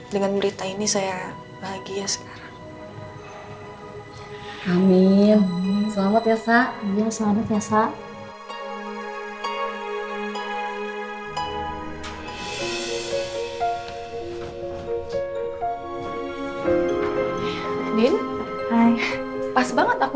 dengan berita ini saya bahagia sekarang